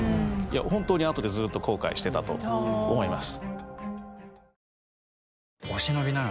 本当にあとでずっと後悔してたと思います。